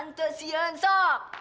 ntar siun sok